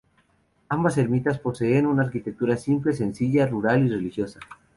Ambas Ermitas poseen una arquitectura simple, sencilla, rural y religiosa.